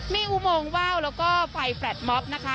มีอุโมงว่าวแล้วก็ไฟแฟลตม็อบนะคะ